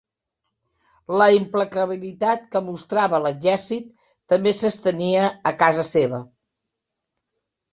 La implacabilitat que mostrava a l'exèrcit també s'estenia a casa seva.